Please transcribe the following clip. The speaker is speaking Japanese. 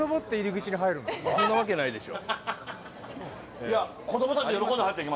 そんなわけないでしょ。